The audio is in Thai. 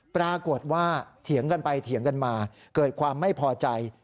ปรากฏว่าเถียงกันไปเถียงกันมาเกิดความไม่พอใจ